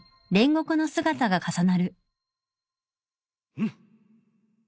うん！